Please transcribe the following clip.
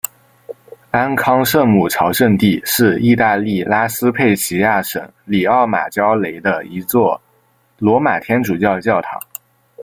安康圣母朝圣地是意大利拉斯佩齐亚省里奥马焦雷的一座罗马天主教教堂。